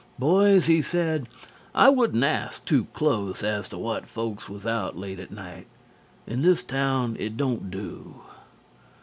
"Boys," he said, "I wouldn't ask too close as to what folks was out late at night: in this town it don't do."